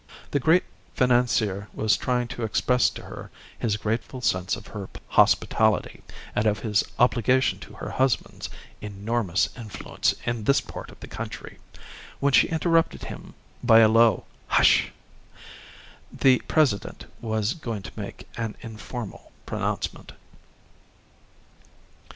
The great financier was trying to express to her his grateful sense of her hospitality and of his obligation to her husband's "enormous influence in this part of the country," when she interrupted him by a low "Hush!" The President was going to make an informal pronouncement.